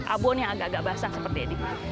abon yang agak agak basah seperti ini